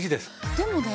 でもね